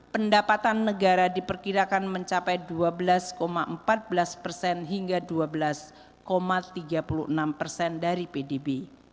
pendapatan negara diperkirakan mencapai dua belas empat belas persen hingga dua belas tiga puluh enam persen dari pdb